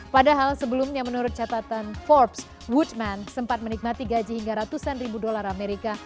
padahal sebelumnya menurut catatan forbes woodman sempat menikmati gaji hingga ratusan ribu dolar amerika